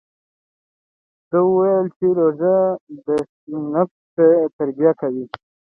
ده وویل چې روژه د نفس تربیه کوي.